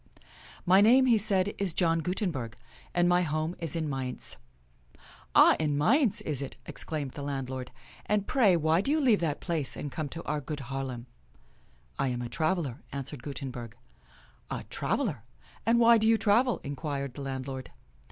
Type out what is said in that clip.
" My name," he said, " is John Gutenberg, and my home is in Mayence." " Ah, in Mayence, is it ?" exclaimed the land lord ;'' and pray why do you leave that place and come to our good Haarlem .''" 40 THE FIRST PRINTER 41 " I am a traveler," answered Gutenberg. " A traveler ! And why do you travel ?" inquired the landlord.